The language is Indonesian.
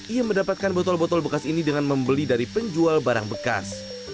ia mendapatkan botol botol bekas ini dengan membeli dari penjual barang bekas